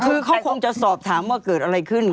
คือเขาคงจะสอบถามว่าเกิดอะไรขึ้น